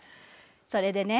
それでね